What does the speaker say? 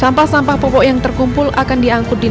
sampah sampah popok yang terkumpul akan diangkut ke negara lain